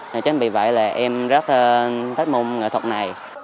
cho nên vì vậy là em rất thích môn nghệ thuật này